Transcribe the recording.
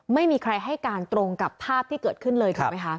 ไม่มีใครให้การตรงกับภาพที่เกิดขึ้นเลย